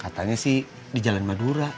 katanya sih di jalan madura